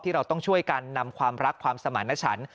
เราต้องช่วยกันนำความรักความสมารณชัน